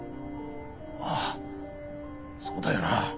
ああそうだよな。